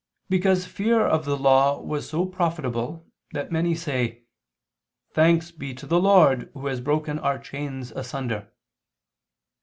Because fear of the law was so profitable, that many say: Thanks be to the Lord Who has broken our chains asunder."